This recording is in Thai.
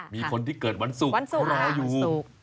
มีคนที่เกิดวันศุกร์เขารออยู่